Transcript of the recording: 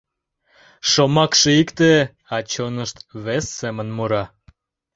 Шомакше икте, а чонышт вес семын мура.